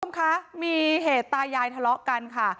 ไม่รู้มั้ยมีเหตุตายายทะเลาะกันค่ะ